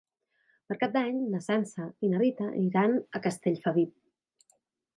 Per Cap d'Any na Sança i na Rita iran a Castellfabib.